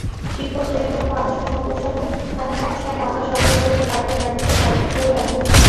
শিক্ষক, শ্রেণিকক্ষ, আবাসনসংকটসহ নানা সমস্যায় নওগাঁ সরকারি কলেজে পাঠদান কার্যক্রম মারাত্মকভাবে ব্যাহত হচ্ছে।